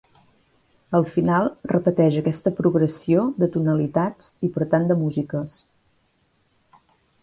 El final repeteix aquesta progressió de tonalitats i per tant de músiques.